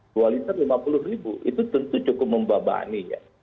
dua liter rp lima puluh itu tentu cukup membabaannya